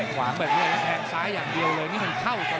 ขวามิดด้วยและแทงซ้ายอย่างเดียวเลยนี้มันเข้ากันรอด